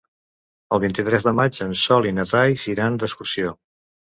El vint-i-tres de maig en Sol i na Thaís iran d'excursió.